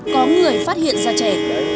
có người phát hiện ra trẻ